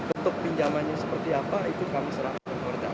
untuk pinjamannya seperti apa itu kami serah